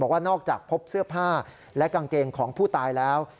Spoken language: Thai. ว่านอกจากพบเสื้อผ้าและกางเกงของผู้ตายแล้ว